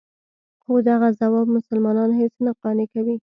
خو دغه ځواب مسلمانان هېڅ نه قانع کوي.